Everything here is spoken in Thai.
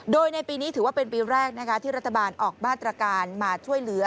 โดยในปีนี้ถือว่าเป็นปีแรกนะคะที่รัฐบาลออกมาตรการมาช่วยเหลือ